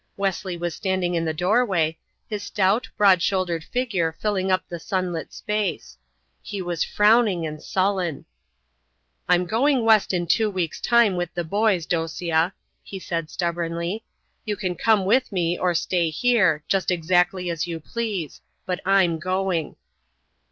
Wesley was standing in the doorway, his stout, broad shouldered figure filling up the sunlit space. He was frowning and sullen. "I'm going west in two weeks' time with the boys, Dosia," he said stubbornly. "You can come with me or stay here just exactly as you please. But I'm going."